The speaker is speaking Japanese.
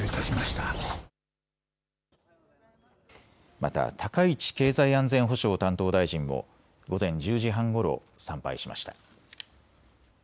また高市経済安全保障担当大臣も午前１０時半ごろ参拝しました。